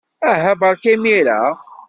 Aha, beṛka imir-a.